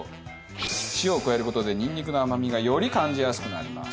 塩を加える事でにんにくの甘みがより感じやすくなります。